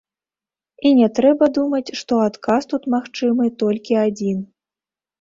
І не трэба думаць, што адказ тут магчымы толькі адзін.